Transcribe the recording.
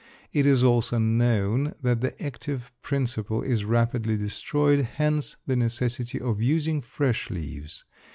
It is also known that the active principle is rapidly destroyed, hence the necessity of using fresh leaves.